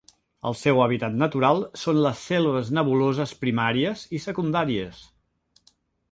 El seu hàbitat natural són les selves nebuloses primàries i secundàries.